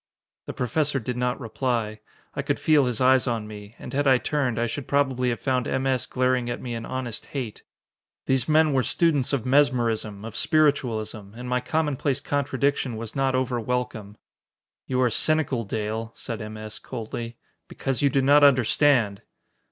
The Professor did not reply. I could feel his eyes on me, and had I turned, I should probably had found M. S. glaring at me in honest hate. These men were students of mesmerism, of spiritualism, and my commonplace contradiction was not over welcome. "You are cynical, Dale," said M. S. coldly, "because you do not understand!"